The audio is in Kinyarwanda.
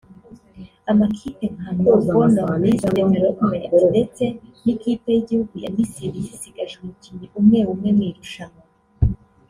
Amakipe nka Novo Nordisk Development ndetse n’ikipe y’igihugu ya Misiri zisigaje umukinnyi umwe umwe mu irushanwa